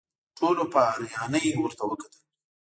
ټولو په حيرانۍ ورته وکتل.